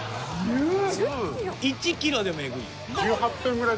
１ｋｇでもエグい。